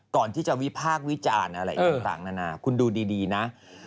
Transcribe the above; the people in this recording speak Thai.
ก่อนที่จะวิภาควิจารณ์อะไรอีกต่างนะคุณดูดีนะ